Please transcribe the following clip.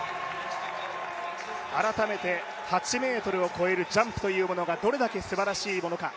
改めて８ｍを越えるジャンプというものがどれだけすばらしいものか。